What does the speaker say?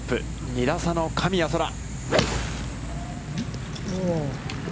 ２打差の神谷そら。